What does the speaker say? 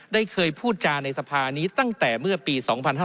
ได้เคยพูดจาในสภานี้ตั้งแต่เมื่อปี๒๕๕๙